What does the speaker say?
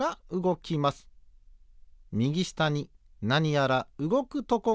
みぎしたになにやらうごくとこがある。